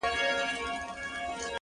زه پر خپل ځان خپله سایه ستایمه,